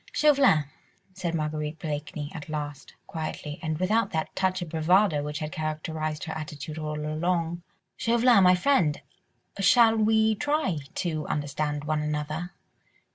"Chauvelin," said Marguerite Blakeney at last, quietly, and without that touch of bravado which had characterised her attitude all along, "Chauvelin, my friend, shall we try to understand one another.